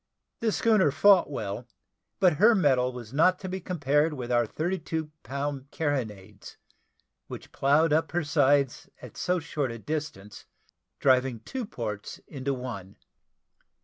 The schooner fought well; but her metal was not to be compared with our thirty two pound carronades, which ploughed up her sides at so short a distance, driving two ports into one.